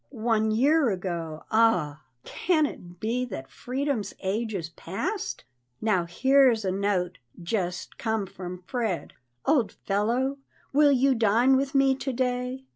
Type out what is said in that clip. One year ago! Ah, can it be That freedom's age is past? Now, here's a note just come from Fred: "Old fellow, will you dine With me to day?